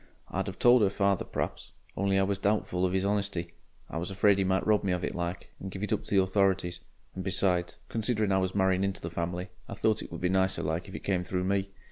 I'd 'ave told 'er father p'r'aps, only I was doubtful of 'is honesty I was afraid he might rob me of it like, and give it up to the authorities and besides, considering I was marrying into the family, I thought it would be nicer like if it came through me.